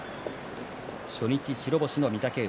初日白星の御嶽海。